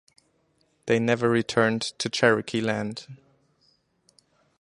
They never returned to Cherokee land.